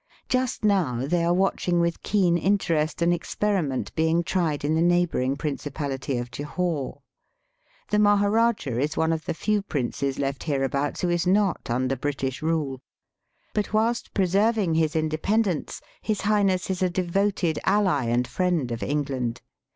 Just now they are watching with keen interest an experiment being tried in the neighbouring principality of Jahore. The Maharajah is one of the few princes left hereabouts who is not under British rule. But whilst preserving his inde pendence, his Highness is a devoted ally and friend of England.